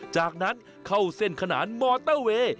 จากนั้นเข้าเส้นขนานมอเตอร์เวย์